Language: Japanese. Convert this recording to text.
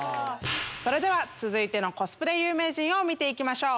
それでは続いてのコスプレ有名人見て行きましょう。